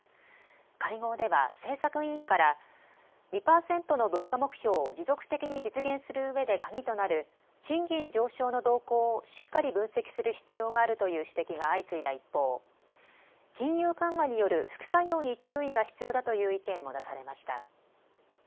会合では政策委員から２％の物価目標を持続的に実現するうえで鍵となる賃金上昇の動向をしっかり分析する必要があるという指摘が相次いだ一方、金融緩和による副作用に注意が必要だという意見も出されました。